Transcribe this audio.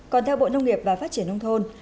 còn theo bộ nông nghiệp và phát triển nông thôn